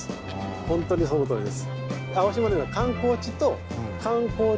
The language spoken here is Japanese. ほんとにそのとおりです。